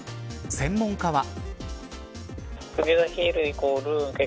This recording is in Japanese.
専門家は。